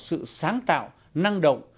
sự sáng tạo năng động